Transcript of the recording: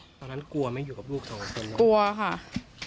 เพราะฉะนั้นกลัวไม่อยู่กับลูกของคน